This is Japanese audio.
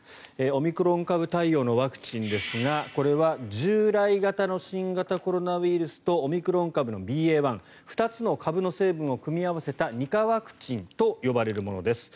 オミクロン株対応のワクチンですがこれは従来型の新型コロナウイルスとオミクロン株のＢＡ．１２つの株の成分を組み合わせた２価ワクチンと呼ばれるものです。